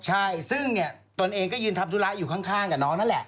ใช่ซึ่งเนี่ยตนเองก็ยืนทำธุระอยู่ข้างกับน้องนั่นแหละ